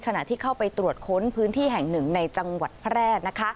ขณะที่เข้าไปตรวจค้นพื้นที่แห่งหนึ่งในจังหวัดแพร่